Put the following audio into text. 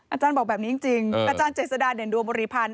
อาจารย์บอกแบบนี้จริงอาจารย์เจษฎาเด่นดวงบริพันธ์